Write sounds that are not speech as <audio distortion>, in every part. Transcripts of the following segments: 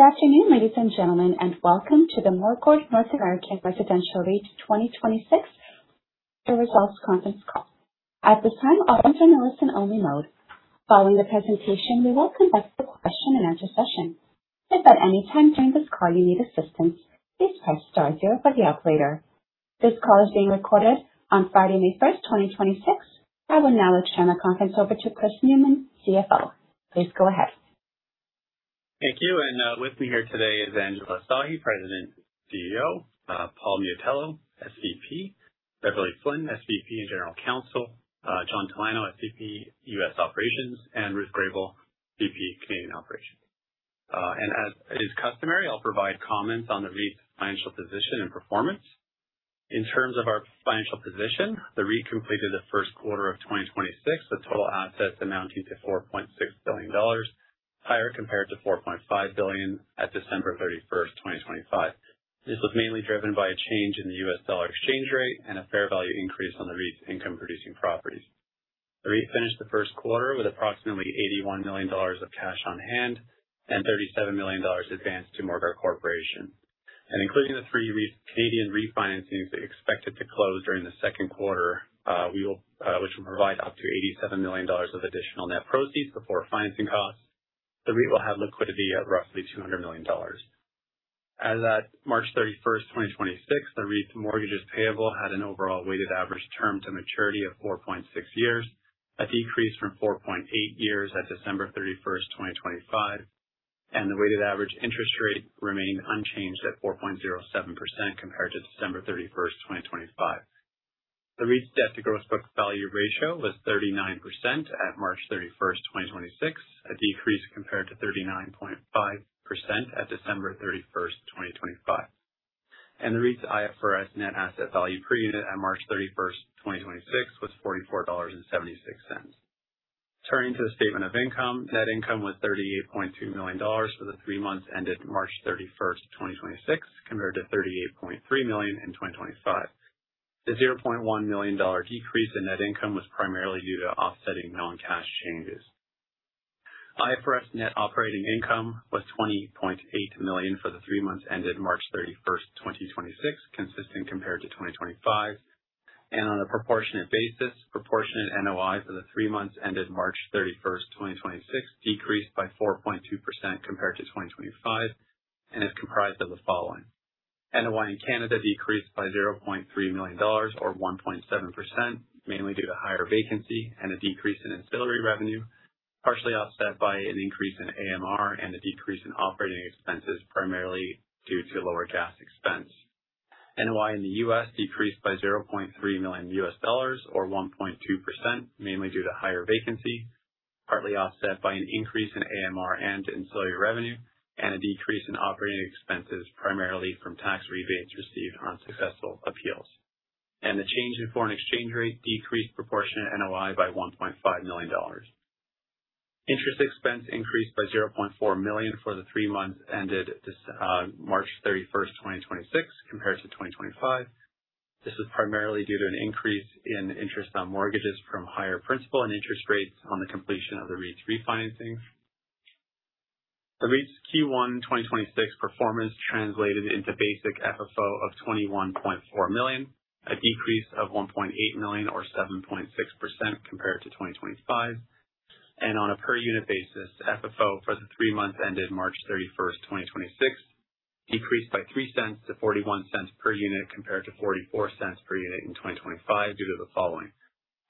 Good afternoon, ladies and gentlemen, and welcome to the Morguard North American Residential REIT 2026 results conference call. At this time, all participants are only in listening mode. Following the presentation we will proceed to question-and-answer session. If you need any assistance, please press star zero for the operator. This call is being recorded on Friday, May 1st, 2026. I will now turn the conference over to Chris Newman, CFO. Please go ahead. Thank you. With me here today is Angela Sahi, President and CEO, Paul Miatello, SVP, Beverley G. Flynn, SVP and General Counsel, John Talano, SVP, U.S. Operations, and Ruth Grabel, VP, Canadian Operations. As is customary, I'll provide comments on the REIT's financial position and performance. In terms of our financial position, the REIT completed the first quarter of 2026 with total assets amounting to 4.6 billion dollars, higher compared to 4.5 billion at December 31st, 2025. This was mainly driven by a change in the U.S. dollar exchange rate and a fair value increase on the REIT's income-producing properties. The REIT finished the first quarter with approximately 81 million dollars of cash on hand and 37 million dollars advanced to Morguard Corporation. Including the three Canadian refinancings expected to close during the second quarter, which will provide up to 87 million dollars of additional net proceeds before financing costs. The REIT will have liquidity of roughly 200 million dollars. As at March 31st, 2026, the REIT's mortgages payable had an overall weighted average term to maturity of 4.6 years, a decrease from 4.8 years at December 31st, 2025, and the weighted average interest rate remained unchanged at 4.07% compared to December 31st, 2025. The REIT's debt to gross book value ratio was 39% at March 31st, 2026, a decrease compared to 39.5% at December 31st, 2025. The REIT's IFRS net asset value per unit at March 31st, 2026 was 44.76 dollars. Turning to the statement of income, net income was 38.2 million dollars for the three months ended March 31st, 2026, compared to 38.3 million in 2025. The 0.1 million dollar decrease in net income was primarily due to offsetting non-cash changes. IFRS net operating income was 20.8 million for the three months ended March 31st, 2026, consistent compared to 2025. On a proportionate basis, proportionate NOI for the three months ended March 31st, 2026, decreased by 4.2% compared to 2025 and is comprised of the following: NOI in Canada decreased by 0.3 million dollars or 1.7%, mainly due to higher vacancy and a decrease in ancillary revenue, partially offset by an increase in AMR and a decrease in operating expenses primarily due to lower gas expense. NOI in the U.S. decreased by $0.3 million or 1.2%, mainly due to higher vacancy, partly offset by an increase in AMR and ancillary revenue and a decrease in operating expenses primarily from tax rebates received on successful appeals. The change in foreign exchange rate decreased proportionate NOI by 1.5 million dollars. Interest expense increased by 0.4 million for the three months ended March 31st, 2026, compared to 2025. This is primarily due to an increase in interest on mortgages from higher principal and interest rates on the completion of the REIT's refinancing. The REIT's Q1 2026 performance translated into basic FFO of 21.4 million, a decrease of 1.8 million or 7.6% compared to 2025. On a per unit basis, FFO for the three months ended March 31st, 2026, decreased by 0.03 to 0.41 per unit compared to 0.44 per unit in 2025 due to the following.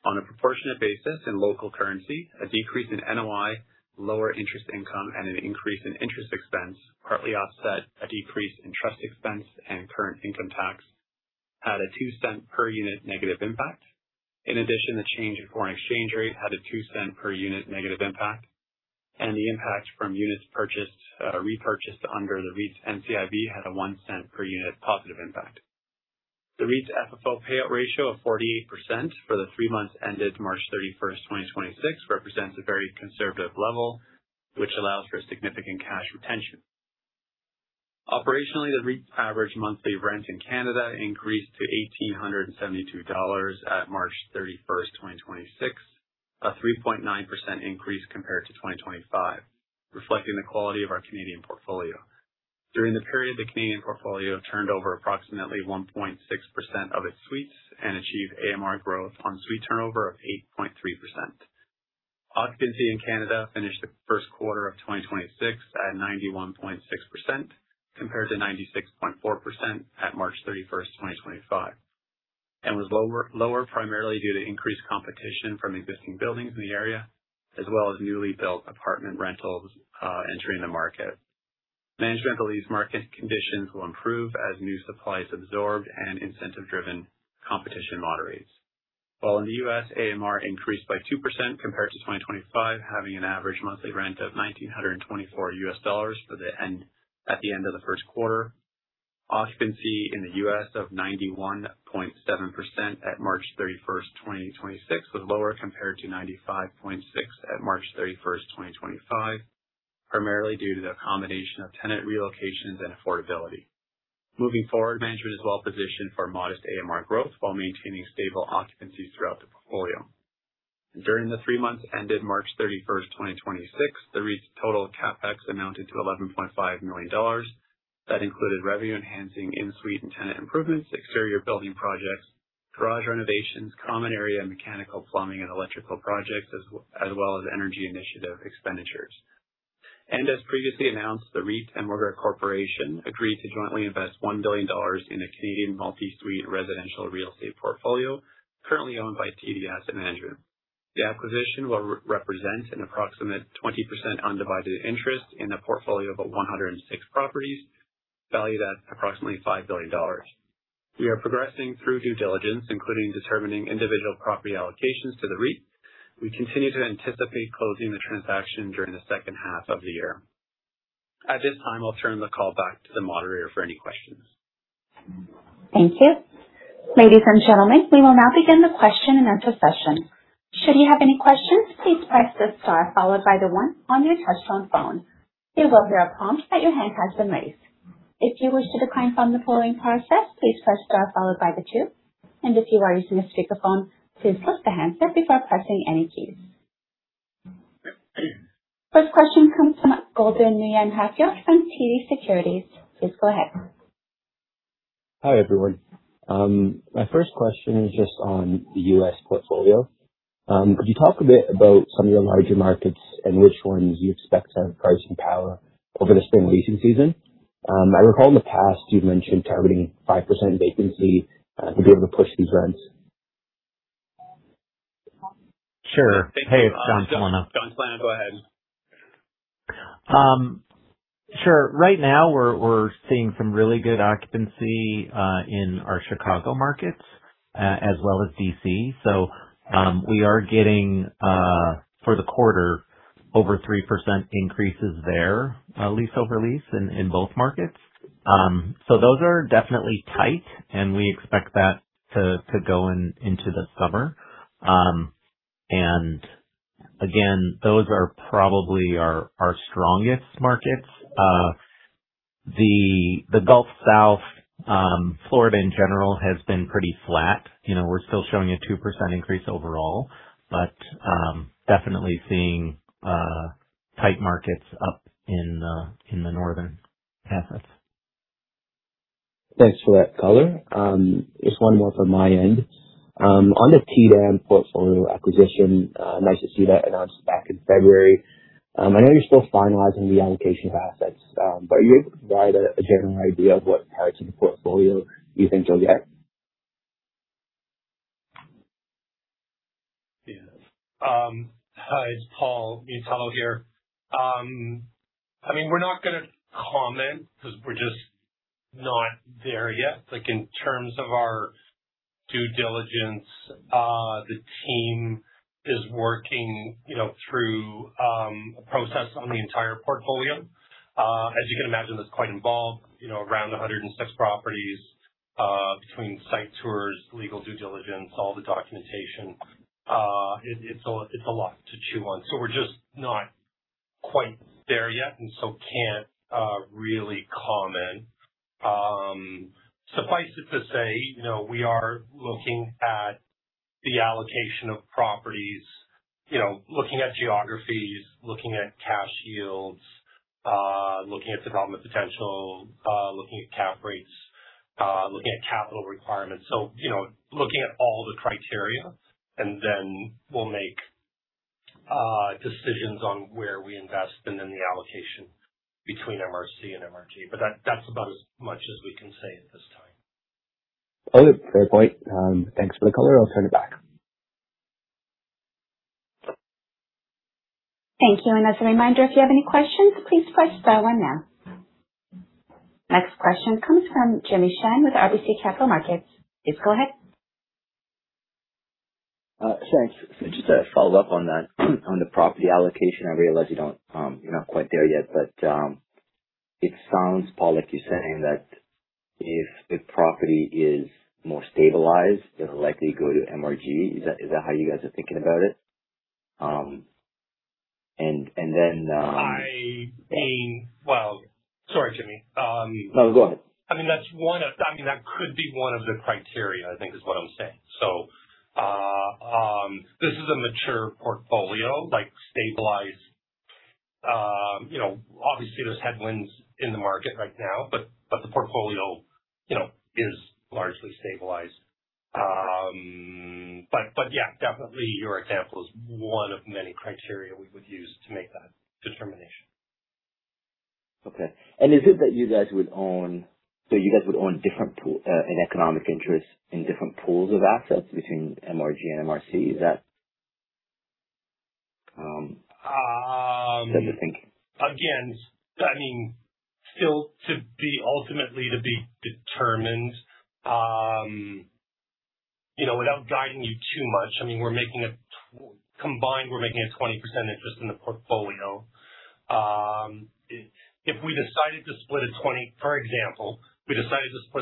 On a proportionate basis in local currency, a decrease in NOI, lower interest income and an increase in interest expense, partly offset a decrease in trust expense and current income tax, had a 0.02 per unit negative impact. In addition, the change in foreign exchange rate had a 0.02 per unit negative impact, and the impact from units purchased, repurchased under the REIT's NCIB had a 0.01 per unit positive impact. The REIT's FFO payout ratio of 48% for the three months ended March 31st, 2026, represents a very conservative level, which allows for significant cash retention. Operationally, the REIT's average monthly rent in Canada increased to 1,872 dollars at March 31st, 2026, a 3.9% increase compared to 2025, reflecting the quality of our Canadian portfolio. During the period, the Canadian portfolio turned over approximately 1.6% of its suites and achieved AMR growth on suite turnover of 8.3%. Occupancy in Canada finished the first quarter of 2026 at 91.6% compared to 96.4% at March 31st, 2025, and was lower primarily due to increased competition from existing buildings in the area as well as newly built apartment rentals entering the market. Management believes market conditions will improve as new supply is absorbed and incentive-driven competition moderates. While in the U.S., AMR increased by 2% compared to 2025, having an average monthly rent of $1,924 at the end of the first quarter. Occupancy in the U.S. of 91.7% at March 31st, 2026, was lower compared to 95.6% at March 31st, 2025, primarily due to the accommodation of tenant relocations and affordability. Moving forward, management is well positioned for modest AMR growth while maintaining stable occupancies throughout the portfolio. During the three months ended March 31st, 2026, the REIT's total CapEx amounted to 11.5 million dollars. That included revenue-enhancing in-suite and tenant improvements, exterior building projects, garage renovations, common area, mechanical, plumbing and electrical projects, as well as energy initiative expenditures. As previously announced, the REIT and Morguard Corporation agreed to jointly invest 1 billion dollars in a Canadian multi-suite residential real estate portfolio currently owned by TD Asset Management. The acquisition will represent an approximate 20% undivided interest in the portfolio of a 106 properties valued at approximately 5 billion dollars. We are progressing through due diligence, including determining individual property allocations to the REIT. We continue to anticipate closing the transaction during the second half of the year. At this time, I'll turn the call back to the moderator for any questions. Thank you. Ladies and gentlemen, we will now begin the question-and-answer session. Should you have any questions, please press the star followed by the one on your touchtone phone. You will hear a prompt that your hand has been raised. If you wish to decline from the polling process, please press star followed by the two. If you are using a speakerphone, please put the handset before pressing any keys. First question comes from Golden Nguyen-Halfyard from TD Securities. Please go ahead. Hi, everyone. My first question is just on the U.S. portfolio. Could you talk a bit about some of your larger markets and which ones you expect to have pricing power over this renovation season? I recall in the past you've mentioned targeting 5% vacancy to be able to push these rents. Sure. Hey, it's John Talano. John Talano, go ahead. Sure. Right now we're seeing some really good occupancy in our Chicago markets as well as D.C. We are getting for the quarter over 3% increases there, lease-over-lease in both markets. Those are definitely tight, and we expect that to go into the summer. Again, those are probably our strongest markets. The Gulf South, Florida in general has been pretty flat. You know, we're still showing a 2% increase overall, but definitely seeing tight markets up in the northern assets. Thanks for that color. Just one more from my end. On the TDAM portfolio acquisition, nice to see that announced back in February. I know you're still finalizing the allocation of assets, but are you able to provide a general idea of what parts of the portfolio you think you'll get? Yeah. Hi, it's Paul Miatello here. I mean, we're not gonna comment because we're just not there yet. Like, in terms of our due diligence, the team is working, you know, through a process on the entire portfolio. As you can imagine, that's quite involved. You know, around 106 properties, between site tours, legal due diligence, all the documentation. It's a lot to chew on. We're just not quite there yet and can't really comment. Suffice it to say, you know, we are looking at the allocation of properties, you know, looking at geographies, looking at cash yields, looking at development potential, looking at cap rates, looking at capital requirements. You know, looking at all the criteria, and then we'll make decisions on where we invest and then the allocation between MRC and MRG. That, that's about as much as we can say at this time. Okay. Fair point. Thanks for the color. I'll turn it back. Thank you. As a reminder, if you have any questions, please press star one now. Next question comes from Jimmy Shan with RBC Capital Markets. Please go ahead. Sure. Just a follow-up on that. On the property allocation, I realize you don't, you're not quite there yet, but, it sounds, Paul, like you're saying that if a property is more stabilized, it'll likely go to MRG. Is that how you guys are thinking about it? I mean, Well, sorry, Jimmy. No, go ahead. I mean, that could be one of the criteria, I think is what I'm saying. This is a mature portfolio, like stabilized. You know, obviously there's headwinds in the market right now, but the portfolio, you know, is largely stabilized. But yeah, definitely your example is one of many criteria we would use to make that determination. Okay. Is it that you guys would own different pool, an economic interest in different pools of assets between MRG and MRC? Is that kind of the thinking? Again, I mean, still ultimately to be determined. You know, without guiding you too much, I mean, Combined, we're making a 20% interest in the portfolio. If we decided to split, for example, a 20%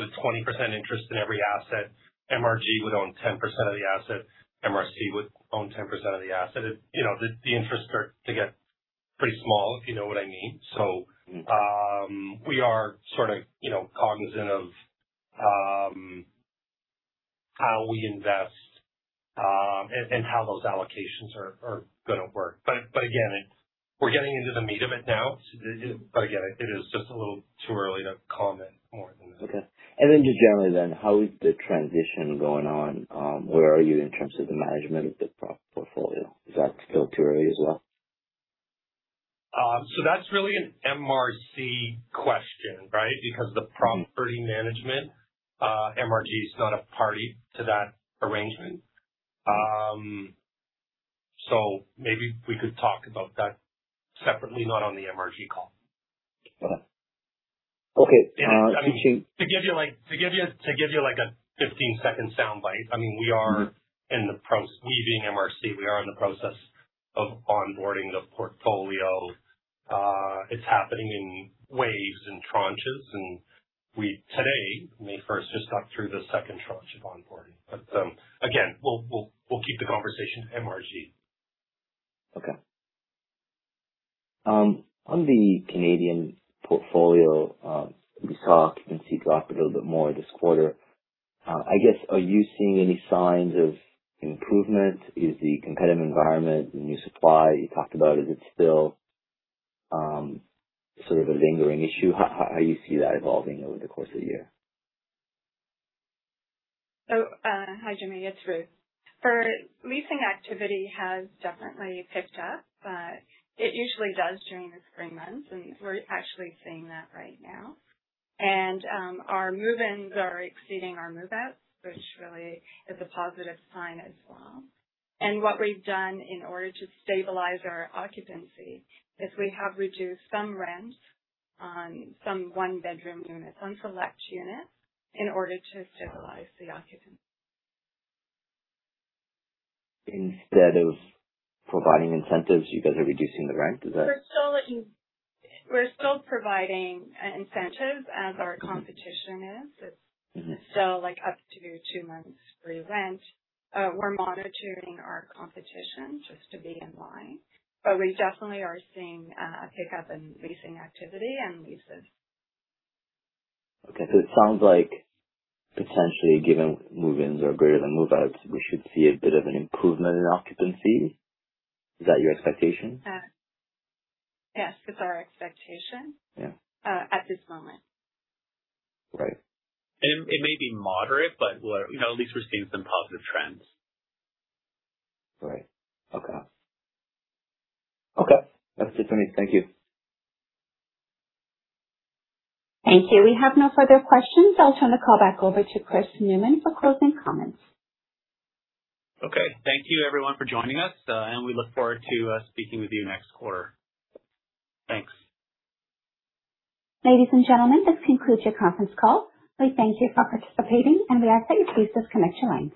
interest in every asset, MRG would own 10% of the asset, MRC would own 10% of the asset. You know, the interest to get <audio distortion> is pretty small, if you know what I mean. We are sort of, you know, cognizant of how we invest and how those allocations are gonna work. Again, we're getting into the meat of it now. Again, it is just a little too early to comment more than that. Okay. Just generally then, how is the transition going on? Where are you in terms of the management of the Property Management portfolio? Is that still too early as well? That's really an MRC question, right? The Property Management, MRG is not a party to that arrangement. Maybe we could talk about that separately, not on the MRG call. Okay. Okay, I mean, to give you like a 15-second sound bite, I mean, we being MRC, we are in the process of onboarding the portfolio. It's happening in waves and tranches. We today, May 1st, just talked through the second tranche of onboarding. Again, we'll keep the conversation MRG. Okay. On the Canadian portfolio, we saw occupancy drop a little bit more this quarter. I guess, are you seeing any signs of improvement? Is the competitive environment, the new supply you talked about, is it still, sort of a lingering issue? How you see that evolving over the course of the year? Hi, Jimmy. It's Ruth. For leasing activity has definitely picked up, but it usually does during the spring months, and we're actually seeing that right now. Our move-ins are exceeding our move-outs, which really is a positive sign as well. What we've done in order to stabilize our occupancy is we have reduced some rents on some one-bedroom units, on select units, in order to stabilize the occupancy. Instead of providing incentives, you guys are reducing the rent. Is that? We're still providing incentives as our competition is. It's still like up to two months free rent. We're monitoring our competition just to be in line, but we definitely are seeing a pickup in leasing activity and leases. It sounds like potentially, given move-ins are greater than move-outs, we should see a bit of an improvement in occupancy. Is that your expectation? Yes, it's our expectation. Yeah. At this moment. Right. It may be moderate, but we're, you know, at least we're seeing some positive trends. Right. Okay. Okay. That's it for me. Thank you. Thank you. We have no further questions. I'll turn the call back over to Chris Newman for closing comments. Okay. Thank you everyone for joining us, and we look forward to speaking with you next quarter. Thanks. Ladies and gentlemen, this concludes your conference call. We thank you for participating, and we ask that you please disconnect your lines.